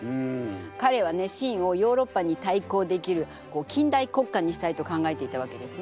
かれはね清をヨーロッパにたいこうできる近代国家にしたいと考えていたわけですね。